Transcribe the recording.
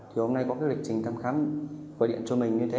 hôm nay có lịch trình thăm khám gọi điện cho mình như thế